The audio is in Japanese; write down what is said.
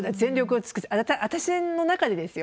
私の中でですよ。